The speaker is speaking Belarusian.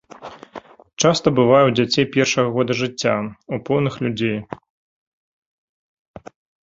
Часта бывае ў дзяцей першага года жыцця, у поўных людзей.